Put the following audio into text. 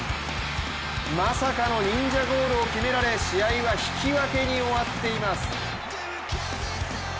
まさかの忍者ゴールを決められ、試合は引き分けに終わっています。